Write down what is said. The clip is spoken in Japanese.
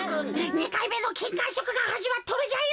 ２かいめのきんかんしょくがはじまっとるじゃよ。